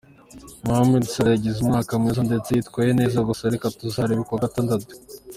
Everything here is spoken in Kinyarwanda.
Mohamed Salah yagize umwaka mwiza ndetse yitwaye neza gusa reka tuzarebe ku wa Gatandatu.